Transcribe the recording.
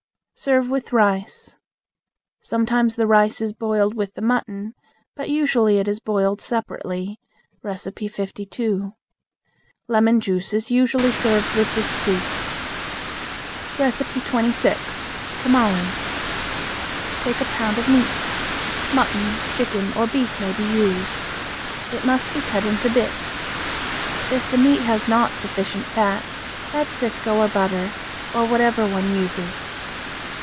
Serve with rice. Sometimes the rice is boiled with the mutton, but usually it is boiled separately (No. 52). Lemon juice is usually served with this soup. 26. Tamales (Mexican). Take a pound of meat. Mutton, chicken, or beef may be used. It must be cut in bits. If the meat has not sufficient fat, add crisco or butter, or whatever one uses.